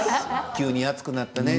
急に暑くなったね。